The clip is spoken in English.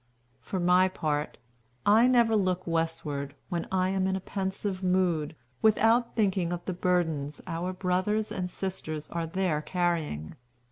For my part, I never look Westward, when I am in a pensive mood, without thinking of the burdens our brothers and sisters are there carrying.